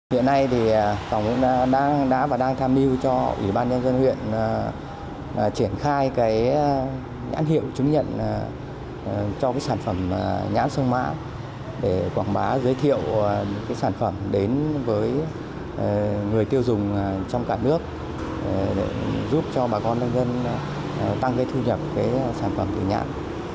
hiện nay tổng hợp đã và đang tham mưu cho ủy ban nhân dân huyện triển khai nhãn hiệu chứng nhận cho sản phẩm nhãn sông mã để quảng bá giới thiệu sản phẩm đến với người tiêu dùng trong cả nước giúp cho bà con nhân dân tăng thu nhập sản phẩm từ nhãn